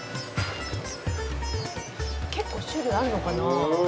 「結構種類あるのかな？」